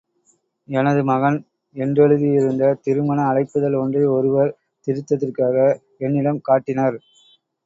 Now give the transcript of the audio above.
எனது மகன் என்றெழுதியிருந்த திருமண அழைப்பிதழ் ஒன்றை ஒருவர், திருத்தத்திற்காக என்னிடம் காட்டினர்.